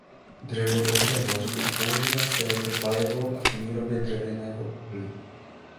Dřevo dobře hoří a používá se jako palivo a k výrobě dřevěného uhlí.